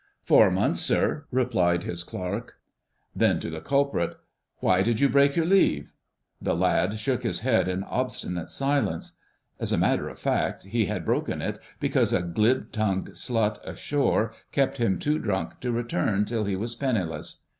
"Four months, sir," replied his Clerk. Then to the culprit: "Why did you break your leave?" The lad shook his head in obstinate silence. As a matter of fact, he had broken it because a glib tongued slut ashore kept him too drunk to return till he was penniless.